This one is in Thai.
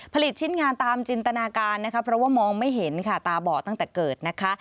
ชิ้นงานตามจินตนาการนะคะเพราะว่ามองไม่เห็นค่ะตาบอดตั้งแต่เกิดนะคะ